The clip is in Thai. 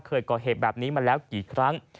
เคยก่อเหตุแบบนี้มาแล้วกี่ครั้ง